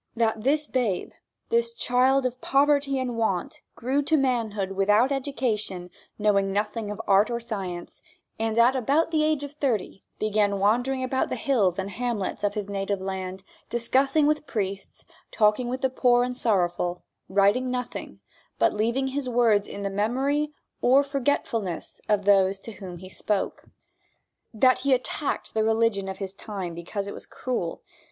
That this babe, this child of poverty and want grew to manhood without education, knowing nothing of art, or science, and at about the age of thirty began wandering about the hills and hamlets of his native land, discussing with priests, talking with the poor and sorrowful, writing nothing, but leaving his words in the memory or forgetfulness of those to whom he spoke. That he attacked the religion of his time because it was cruel.